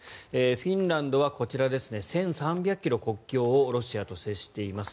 フィンランドはこちら１３００ｋｍ、国境をロシアと接しています。